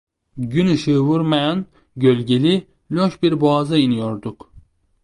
Gün ışığı vurmayan, gölgeli, loş bir boğaza iniyorduk.